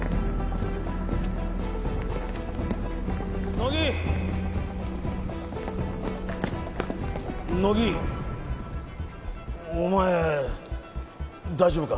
乃木乃木お前大丈夫か？